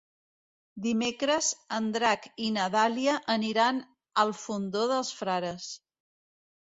Dimecres en Drac i na Dàlia aniran al Fondó dels Frares.